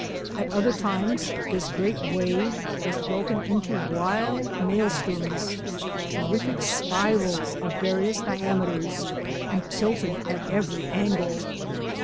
At other times, this great wave was broken into wild maelstroms, terrific spirals of various diame ters and tilted at every angle.